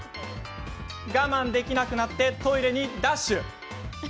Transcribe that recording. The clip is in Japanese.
我慢できなくなってトイレにダッシュ。